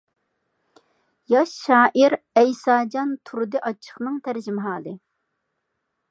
ياش شائىر ئەيساجان تۇردى ئاچچىقنىڭ تەرجىمىھالى.